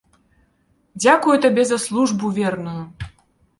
Дзякую табе за службу верную!